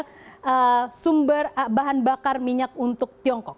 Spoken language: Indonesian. jadi kalau misalnya saya punya bahan bakar minyak untuk tiongkok